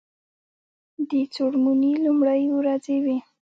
د څوړموني لومړی ورځې وې.